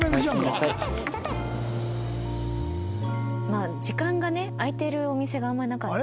まあ時間がね開いてるお店があんまりなかった。